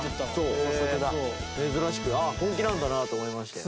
珍しく「あっ本気なんだな」と思いましたよ。